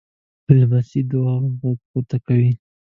لمسی د دعا غږ پورته کوي.